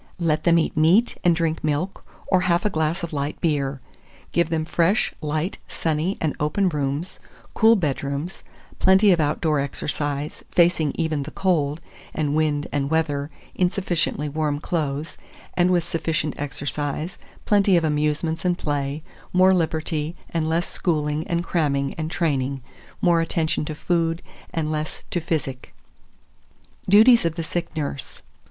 Let them eat meat and drink milk, or half a glass of light beer. Give them fresh, light, sunny, and open rooms, cool bedrooms, plenty of outdoor exercise, facing even the cold, and wind, and weather, in sufficiently warm clothes, and with sufficient exercise, plenty of amusements and play; more liberty, and less schooling, and cramming, and training; more attention to food and less to physic." DUTIES OF THE SICK NURSE.